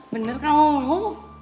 bener kan mama mau